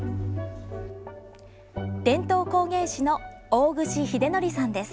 伝統工芸士の大串秀則さんです。